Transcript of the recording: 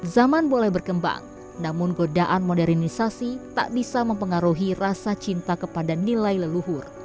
zaman boleh berkembang namun godaan modernisasi tak bisa mempengaruhi rasa cinta kepada nilai leluhur